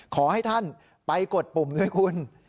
ขอให้ท่านไปกดปุ่มด้วยคุณ